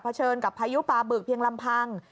เชิญกับพายุปลาบึกเพียงลำพัง